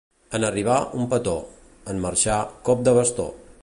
En arribar, un petó; en marxar, cop de bastó.